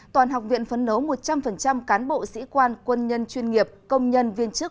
toàn học viện phấn nấu một trăm linh cán bộ sĩ quan quân nhân chuyên nghiệp công nhân viên chức